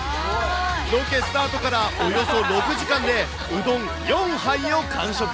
ロケスタートからおよそ６時間で、うどん４杯を感触。